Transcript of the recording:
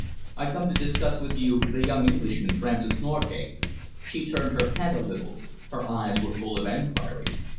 I come to discuss with you the young Englishman, Francis Norgate." She turned her head a little. Her eyes were full of enquiry.